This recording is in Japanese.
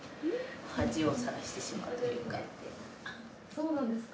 そうなんですか？